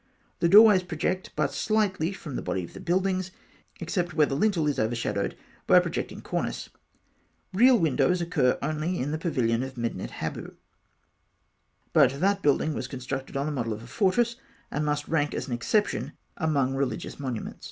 The doorways project but slightly from the body of the buildings (fig. 54), except where the lintel is over shadowed by a projecting cornice. Real windows occur only in the pavilion of Medinet Habu; but that building was constructed on the model of a fortress, and must rank as an exception among religious monuments.